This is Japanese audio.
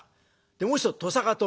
もう一つ鳥坂峠